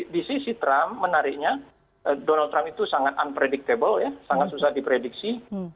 di sisi trump menariknya donald trump itu sangat unpredictable ya sangat susah diprediksi